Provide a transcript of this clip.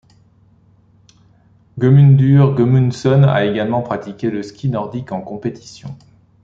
Guðmundur Guðmundsson a également pratiqué le ski nordique en compétition.